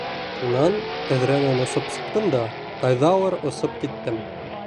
Шунан тәҙрәнән осоп сыҡтым да ҡайҙалыр осоп киттем.